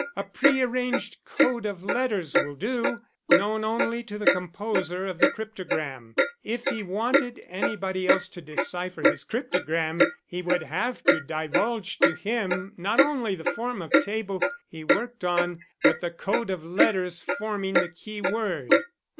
A prearranged code of letters will do, known only to the composer of the cryptogram. If he wanted anybody else to decipher his cryptogram, he would have to divulge to him not only the form of table he worked on but the code of letters forming the keyword."